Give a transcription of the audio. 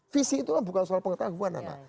visi itu bukan soal pengetahuan anak